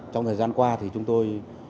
trong thời gian qua thì chúng tôi